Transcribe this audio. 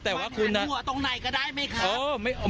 มันหันหัวตรงไหนก็ได้ไหมครับ